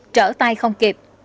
trở tay không kịp